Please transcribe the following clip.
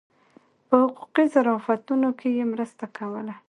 په حقوقي ظرافتونو کې یې مرسته کوله.